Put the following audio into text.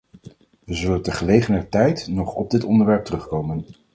We zullen te gelegener tijd nog op dit onderwerp terugkomen.